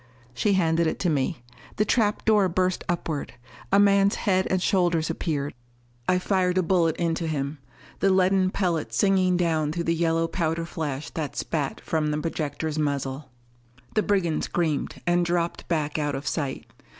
She handed it to me. The trap door burst upward! A man's head and shoulders appeared. I fired a bullet into him the leaden pellet singing down through the yellow powder flash that spat from the projector's muzzle. The brigand screamed, and dropped back out of sight.